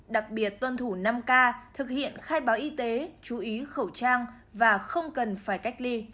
đặc biệt tuân thủ năm k thực hiện khai báo y tế chú ý khẩu trang và không cần phải cách ly